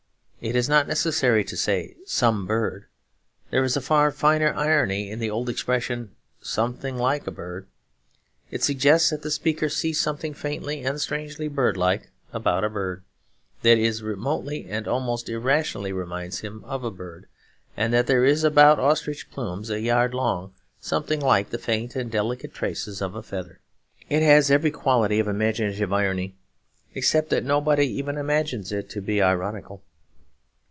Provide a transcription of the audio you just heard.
It is not necessary to say, 'Some bird'; there is a far finer irony in the old expression, 'Something like a bird.' It suggests that the speaker sees something faintly and strangely birdlike about a bird; that it remotely and almost irrationally reminds him of a bird; and that there is about ostrich plumes a yard long something like the faint and delicate traces of a feather. It has every quality of imaginative irony, except that nobody even imagines it to be ironical.